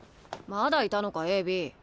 まだいたのかＡＢ。